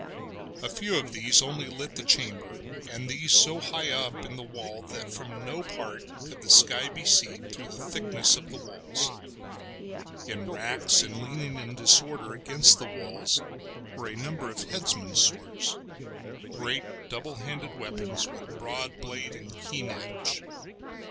A few of these only lit the chamber, and these so high up in the wall that from no part could the sky be seen through the thickness of the walls. In racks, and leaning in disorder against the walls, were a number of headsmen's swords, great double handed weapons with broad blade and keen edge.